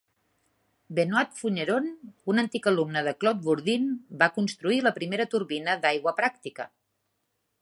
Benoit Fourneyron, un antic alumne de Claude Burdin, va construir la primera turbina d'aigua pràctica.